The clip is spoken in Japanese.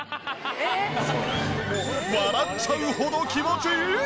笑っちゃうほど気持ちいい！